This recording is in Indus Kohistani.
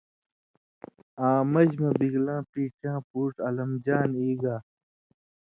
آں مژ مہ بِگلاں پیڇی یاں پُوڇ علم جان ای گا۔